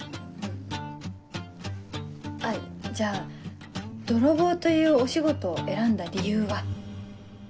あっじゃあ泥棒というお仕事を選んだ理由は？